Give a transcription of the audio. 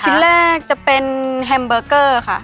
ชิ้นแรกจะเป็นแฮมเบอร์เกอร์ค่ะ